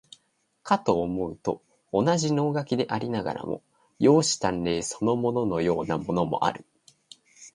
かと思うと、同じ能書でありながら、容姿端麗そのもののようなものもある。